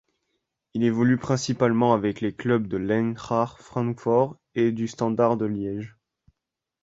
Il évolue principalement avec les clubs de l'Eintracht Francfort et du Standard de Liège.